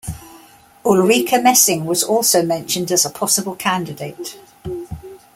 Ulrica Messing was also mentioned as a possible candidate.